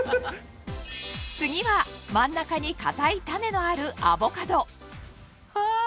次は真ん中に硬い種のあるあぁ